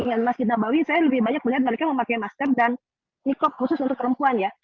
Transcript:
dengan masjid nabawi saya lebih banyak melihat mereka memakai masker dan nikob khusus untuk perempuan ya